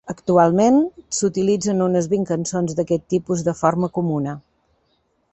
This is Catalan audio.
Actualment s"utilitzen unes vint cançons d"aquest tipus de forma comuna.